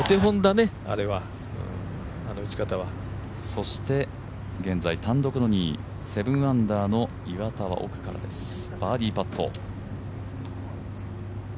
そして、現在単独２位、７アンダーの岩田は奥からです、バーディーパット。